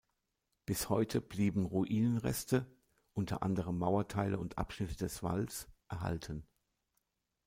Bis heute blieben Ruinenreste, unter anderem Mauerteile und Abschnitte des Walls, erhalten.